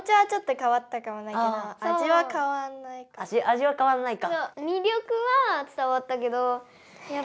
でも味は変わんないか。